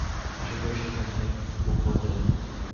আশা করি সে যাতে মুখ না খোলে।